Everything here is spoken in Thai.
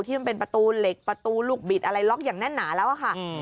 ที่เป็นประตูเหล็กประตูลูกบิดอะไรล็อกอย่างแน่นหนาแล้วค่ะ